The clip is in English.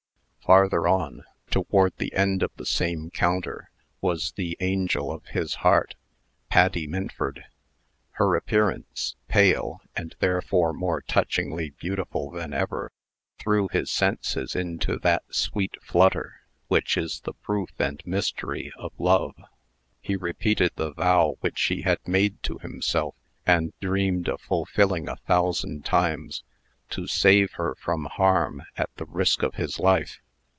Farther on, toward the end of the same counter, was the angel of his heart, Patty Minford. Her appearance, pale, and therefore more touchingly beautiful than ever, threw his senses into that sweet flutter which is the proof and mystery of love. He repeated the vow which he had made to himself, and dreamed of fulfilling a thousand times, to save her from harm at the risk of his life.